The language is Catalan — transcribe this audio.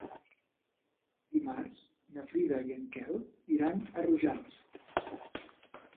Dimarts na Frida i en Quel iran a Rojals.